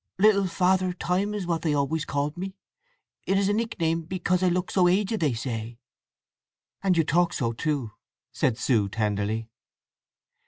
"Little Father Time is what they always called me. It is a nickname; because I look so aged, they say." "And you talk so, too," said Sue tenderly.